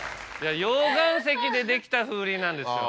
溶岩石でできた風鈴なんですよ。